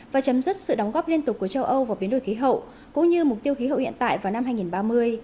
và chấm dứt sự đóng góp liên tục của châu âu vào biến đổi khí hậu cũng như mục tiêu khí hậu hiện tại vào năm hai nghìn ba mươi